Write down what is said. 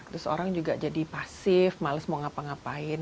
terus orang juga jadi pasif males mau ngapa ngapain